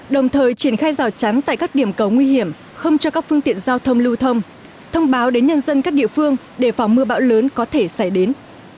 đồng thời triển khai rào chắn tại các điểm cầu nguy hiểm không cho các phương tiện giao thông lưu thông thông báo đến nhân dân các địa phương để phòng mưa bão lớn có thể xảy đến